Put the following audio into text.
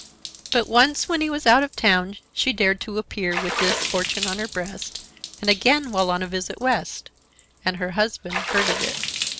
But once, when he was out of town, she dared to appear with this fortune on her breast, and again while on a visit West,—and her husband heard of it.